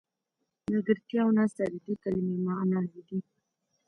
ملګرتیا او ناسته د دې کلمې معناوې دي.